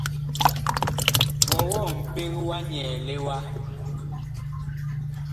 Wɔwɔɔ mpeg wa nyɛɛle wa ?